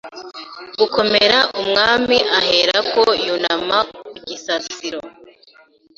gukomera Umwami aherako yunama ku gisasiro